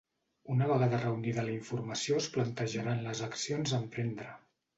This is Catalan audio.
Una vegada reunida la informació es plantejaran les accions a emprendre.